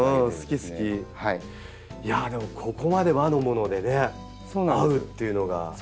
でもここまで和のものでね合うっていうのが。